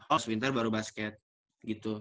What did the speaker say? all winter baru basket gitu